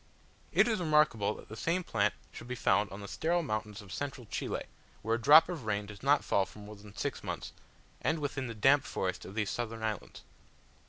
It is remarkable that the same plant should be found on the sterile mountains of central Chile, where a drop of rain does not fall for more than six months, and within the damp forests of these southern islands.